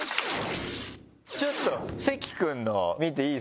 ちょっと関くんの見ていいですか？